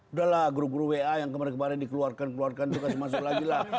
udahlah guru guru wa yang kemarin kemarin dikeluarkan keluarkan tugas masuk lagi lah